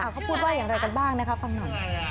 เขาพูดว่าอย่างไรกันบ้างนะคะฟังหน่อย